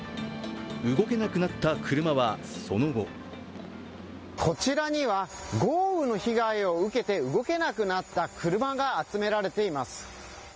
動けなくなった車は、その後こちらには、豪雨の被害を受けて動けなくなった車が集められています。